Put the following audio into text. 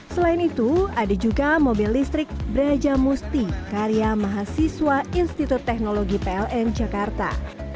selain itu ada juga mobil listrik brajamusti karya mahasiswa institut teknologi pln jakarta